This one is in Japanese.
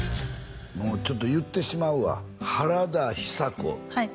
もうちょっと言ってしまうわ「原田ヒサ子」